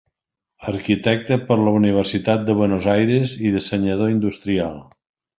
Arquitecte per la Universitat de Buenos Aires i dissenyador industrial.